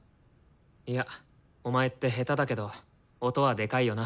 いやお前って下手だけど音はでかいよな。